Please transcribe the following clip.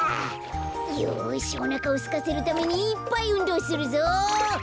よしおなかをすかせるためにいっぱいうんどうするぞ。